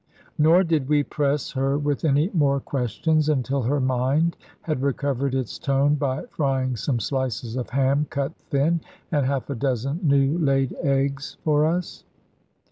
Nor did we press her with any more questions until her mind had recovered its tone by frying some slices of ham cut thin, and half a dozen new laid eggs for us.